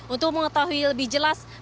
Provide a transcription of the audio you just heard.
untuk mengetahui lebih jelas